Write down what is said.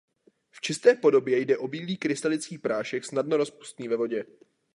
V čisté podobně jde o bílý krystalický prášek snadno rozpustný ve vodě.